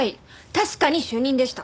確かに主任でした。